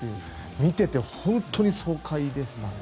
見てて、本当に爽快でしたね。